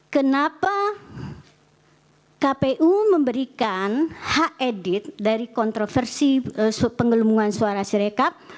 kenapa kpu memberikan hak edit dari kontroversi penggelembungan suara sirekap